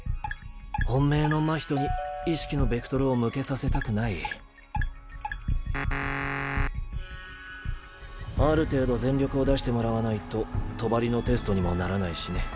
本命の真人に意識のベクトルを向けさせたくないある程度全力を出してもらわないと帳のテストにもならないしね。